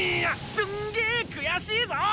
すんげー悔しいぞ！